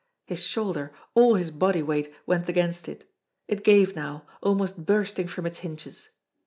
His shoulder, all his body weight, went against it. It gave now, almost bursting from its hinges.